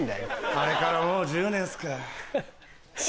あれからもう１０年っすか。